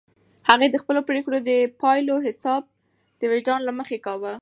هغه د خپلو پرېکړو د پایلو حساب د وجدان له مخې کاوه.